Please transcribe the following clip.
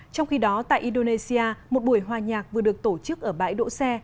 trong khi đó tại indonesia một buổi hòa nhạc vừa được tổ chức ở bãi đỗ xe